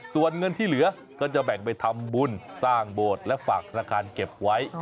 ส่วนเงินที่เหลือก็จะแบ่งไปทำบุญสร้างโบสถ์และฝากธนาคารเก็บไว้